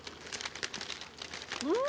うん！